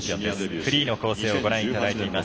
フリーの構成をご覧いただいています。